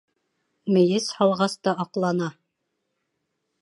Мейес һалғас та аҡлана